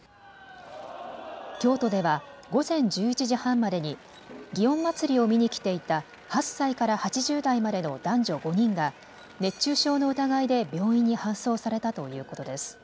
京都では午前１１時半までに祇園祭を見に来ていた８歳から８０代までの男女５人が熱中症の疑いで病院に搬送されたということです。